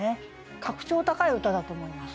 格調高い歌だと思います。